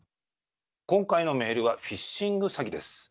今回のメールは、フィッシング詐欺です。